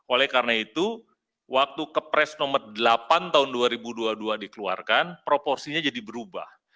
oleh karena itu waktu kepres nomor delapan tahun dua ribu dua puluh dua dikeluarkan proporsinya jadi berubah